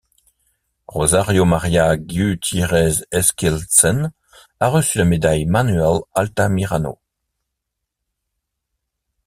Rosario María Gutiérrez Eskildsen a reçu la médaille Manuel Altamirano.